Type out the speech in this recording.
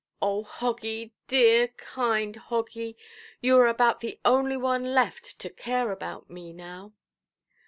"O Hoggy, dear, kind Hoggy! you are about the only one left to care about me now".